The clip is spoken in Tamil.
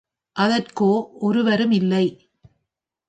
அதற்கோ ஒருவரும் இல்லை.